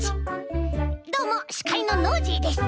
どうもしかいのノージーです！